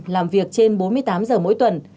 ba mươi tám làm việc trên bốn mươi tám giờ mỗi tuần